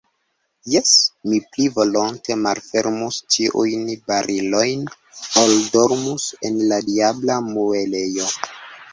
Jes, mi pli volonte malfermus ĉiujn barilojn, ol dormus en la diabla muelejo.